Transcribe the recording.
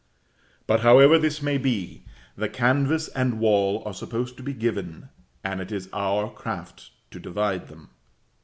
But however this may be, the canvas and wall are supposed to be given, and it is our craft to divide them.